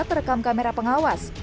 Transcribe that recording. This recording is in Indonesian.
terekam kamera pengawas